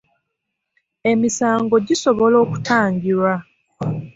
Emisango gisobola okutangirwa.